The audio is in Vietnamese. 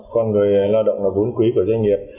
con người lao động là vốn quý của doanh nghiệp